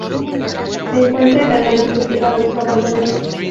Se encuentra en terrenos cultivados o abandonados.